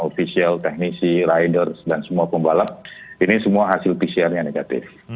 ofisial teknisi rider dan semua pembalap ini semua hasil pcr nya negatif